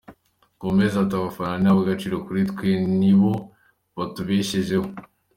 Gomez ati “Abafana ni abagaciro kuri twe, nibo batubeshejeho.